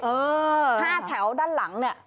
เออห้าแถวด้านหลังนี่